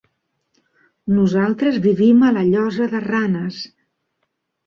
Nosaltres vivim a la Llosa de Ranes.